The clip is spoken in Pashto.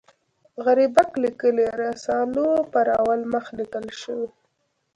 غریبک لیکلي رسالو پر اول مخ لیکل شوي.